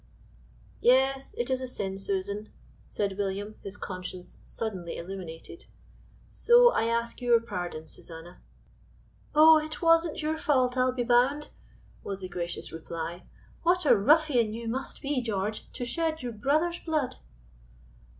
"Yes! it is a sin, Susan," said William, his conscience suddenly illuminated. "So I ask your pardon, Susanna." "Oh! it wasn't your fault, I'll be bound," was the gracious reply. "What a ruffian you must be, George, to shed your brother's blood."